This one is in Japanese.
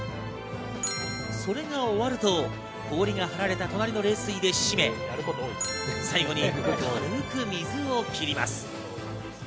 それが終わると、氷が張られた隣の冷水でしめ、最後に軽く水を切ります。